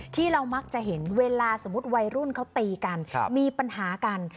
ที่เรามักจะเห็นเวลาสมมุติวัยรุ่นเขาตีกันมีปัญหากัน